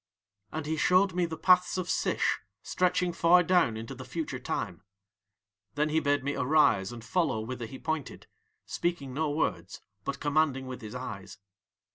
And he showed me the paths of Sish stretching far down into the future time. Then he bade me arise and follow whither he pointed, speaking no words but commanding with his eyes.